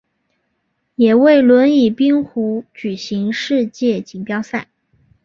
也为轮椅冰壶举行世界锦标赛。